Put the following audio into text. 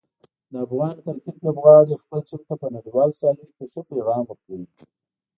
د افغان کرکټ لوبغاړي خپل ټیم ته په نړیوالو سیالیو کې ښه پیغام ورکوي.